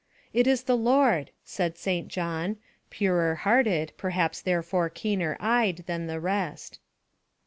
"It is the Lord," said St John, purer hearted, perhaps therefore keener eyed, than the rest.